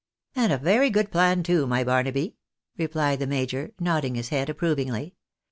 " And a very good plan to, my Barnaby," replied the major, nodding his head approvingly.